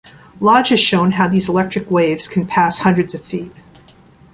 Lodge has shown how these electric waves can pass hundreds of feet.